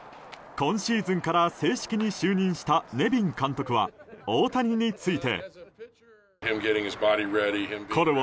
今シーズンから正式に就任したネビン監督は大谷について。